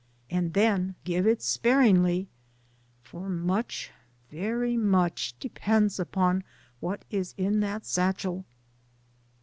And then give it sparingly, for much, very much depends upon what is in that satchel."